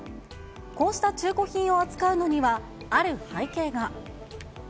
こうした中古品を扱うのには、ある背景が。